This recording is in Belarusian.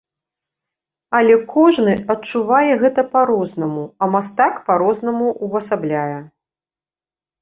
Але кожны адчувае гэта па-рознаму, а мастак па-рознаму ўвасабляе.